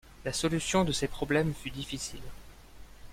La solution de ces problèmes fut difficile.